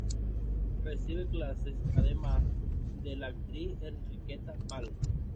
Recibe clases, además, de la actriz Enriqueta de Palma.